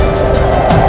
aku sudah menang